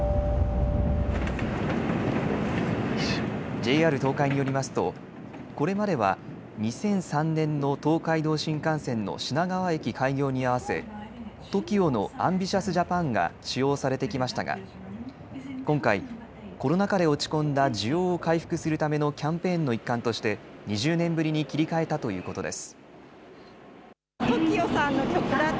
ＪＲ東海によりますとこれまでは２００３年の東海道新幹線の品川駅開業に合わせＴＯＫＩＯのＡＭＢＩＴＩＯＵＳＪＡＰＡＮ！が使用されてきましたが今回、コロナ禍で落ち込んだ需要を回復するためのキャンペーンの一環として２０年ぶりに切り替えたということです。